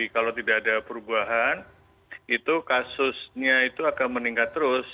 kalau tidak ada perubahan itu kasusnya itu akan meningkat terus